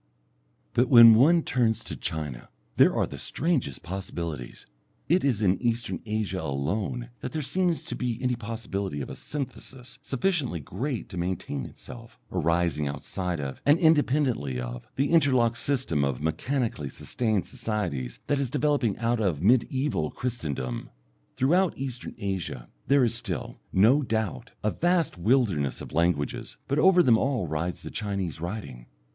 But when one turns to China there are the strangest possibilities. It is in Eastern Asia alone that there seems to be any possibility of a synthesis sufficiently great to maintain itself, arising outside of, and independently of, the interlocked system of mechanically sustained societies that is developing out of mediæval Christendom. Throughout Eastern Asia there is still, no doubt, a vast wilderness of languages, but over them all rides the Chinese writing.